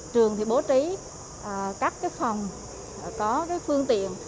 trường thì bố trí các phòng có phương tiện